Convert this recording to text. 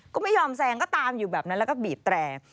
ก็ไม่ยอมแซงก็ตามอยู่แบบนั้นแล้วก็บีบแตร